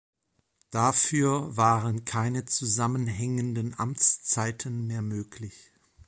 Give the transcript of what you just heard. Dafür waren keine zusammenhängenden Amtszeiten mehr möglich.